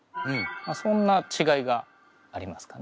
そんな違いがありますかね。